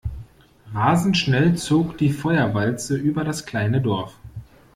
Rasend schnell zog die Feuerwalze über das kleine Dorf.